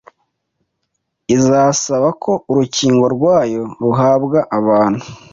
izasaba ko urukingo rwayo ruhabwa abantu